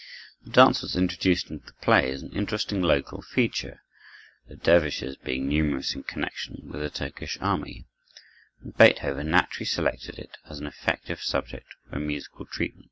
The dance was introduced into the play as an interesting local feature,—the dervishes being numerous in connection with the Turkish army,—and Beethoven naturally selected it as an effective subject for musical treatment.